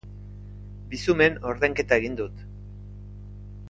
Bizumen ordainketa egin dut.